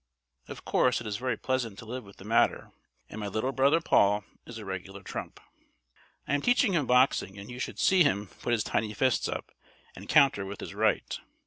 Of course, it is very pleasant to live with the mater, and my little brother Paul is a regular trump. I am teaching him boxing; and you should see him put his tiny fists up, and counter with his right.